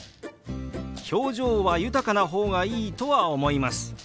表情は豊かな方がいいとは思います。